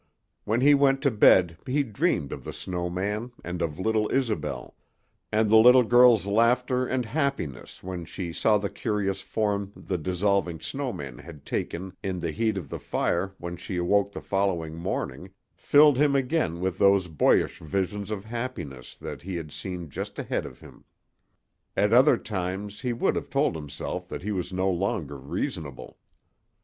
When he went to bed he dreamed of the snow man and of little Isobel; and the little girl's laughter and happiness when she saw the curious form the dissolving snow man had taken in the heat of the fire when she awoke the following morning filled him again with those boyish visions of happiness that he had seen just ahead of him. At other times he would have told himself that he was no longer reasonable.